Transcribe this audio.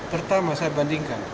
pertama saya bandingkan